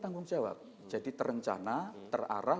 tanggung jawab jadi terencana terarah